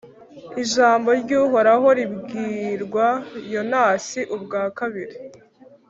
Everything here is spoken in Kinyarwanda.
ijambo ry’uhoraho ribwirwa yonasi ubwa kabiri